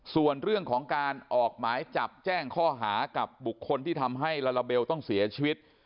ส่วนเรื่องของการออกหมายจับแจ้งข้อหากับบุคคลที่ทำให้ลาลาเบลต้องเสียชีวิต